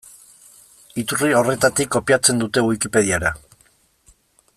Iturri horretatik kopiatzen dute Wikipediara.